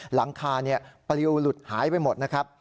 หลังคาปลิวหลุดหายไปหมดนะครับ